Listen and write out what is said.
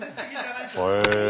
へえ。